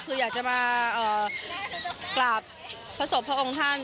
คืออยากจะมากราบพระศพพระองค์ท่าน